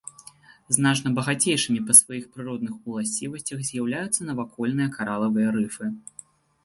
Значна багацейшымі па сваіх прыродных уласцівасцях з'яўляюцца навакольныя каралавыя рыфы.